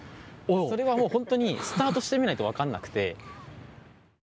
それはもう本当にスタートしてみないと分からなくて。